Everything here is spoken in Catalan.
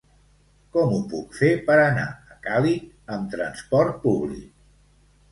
Com ho puc fer per anar a Càlig amb transport públic?